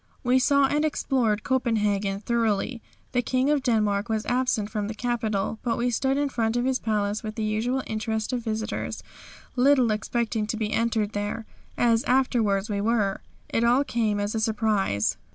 We saw and explored Copenhagen thoroughly. The King of Denmark was absent from the capital, but we stood in front of his palace with the usual interest of visitors, little expecting to be entertained there, as afterwards we were. It all came as a surprise.